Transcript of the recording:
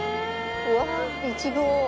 うわーイチゴ！